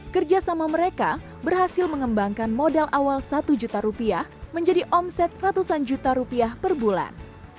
kerjasama mereka berhasil mengembangkan modal awal satu juta rupiah menjadi omset ratusan juta rupiah per bulan